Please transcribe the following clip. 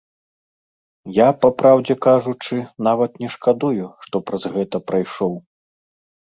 Я, папраўдзе кажучы, нават не шкадую, што праз гэта прайшоў.